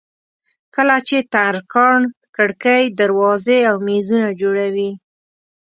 کله چې ترکاڼ کړکۍ دروازې او مېزونه جوړوي.